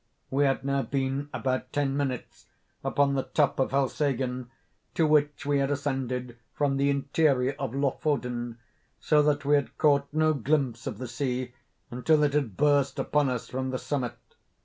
We had now been about ten minutes upon the top of Helseggen, to which we had ascended from the interior of Lofoden, so that we had caught no glimpse of the sea until it had burst upon us from the summit.